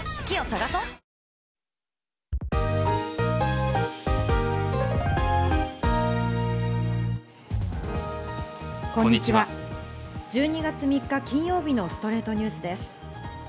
１２月３日、金曜日の『ストレイトニュース』です。